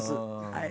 はい。